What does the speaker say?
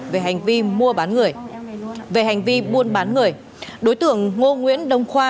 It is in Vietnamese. về hành vi mua bán người về hành vi buôn bán người đối tượng ngô nguyễn đông khoa